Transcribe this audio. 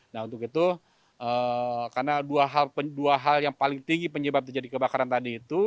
nah untuk itu karena dua hal yang paling tinggi penyebab terjadi kebakaran tadi itu